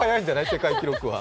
世界記録は。